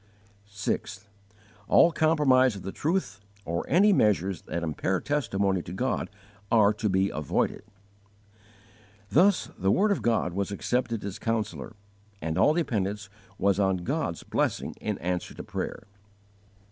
6. All compromise of the truth or any measures that impair testimony to God are to be avoided. Thus the word of God was accepted as counsellor, and all dependence was on God's blessing in answer to prayer.